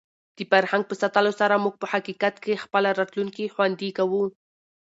د فرهنګ په ساتلو سره موږ په حقیقت کې خپله راتلونکې خوندي کوو.